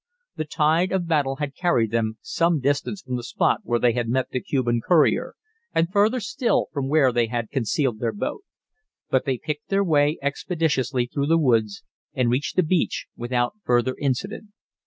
The tide of battle had carried them some distance from the spot where they had met the Cuban courier, and further still from where they had concealed their boat. But they picked their way expeditiously through the woods, and reached the beach without further incident.